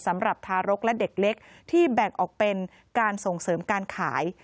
สำหรับทารกและเด็กเล็กที่แบ่งออกเป็นการส่งเสริมการขาย